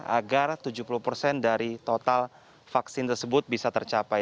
agar tujuh puluh persen dari total vaksin tersebut bisa tercapai